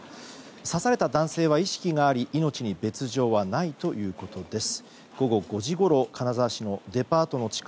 刺された男性は意識があり命に別状はないということです。